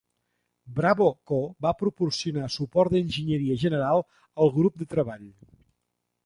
Bravo Co va proporcionar suport d'enginyeria general al grup de treball.